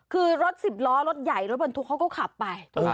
คือรถสิบล้อรถใหญ่รถบรรทุกเขาก็ขับไป